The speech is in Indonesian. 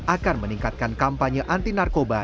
akan meningkatkan kampanye anti narkoba